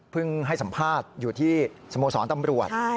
ให้สัมภาษณ์อยู่ที่สโมสรตำรวจ